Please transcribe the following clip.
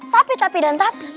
tapi tapi dan tapi